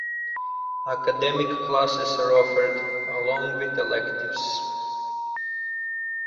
Academic classes are offered, along with electives.